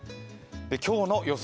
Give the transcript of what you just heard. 今日の予想